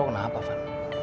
lo kena apa van